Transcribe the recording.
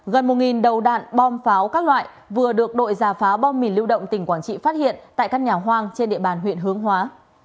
gần một đầu đạn bom pháo các loại vừa được đội giả phá bom mìn lưu động tỉnh quảng trị phát hiện tại các nhà hoang trên địa bàn huyện hướng hóa